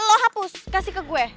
lo hapus kasih ke gue